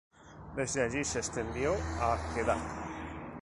Desde allí se extendió a Kedah.